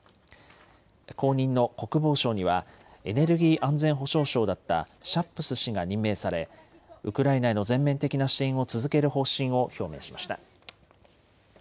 後任の国防相にはエネルギー安全保障相だったシャップス氏が任命されウクライナへの全面的な支援を続ける方針を表明しました。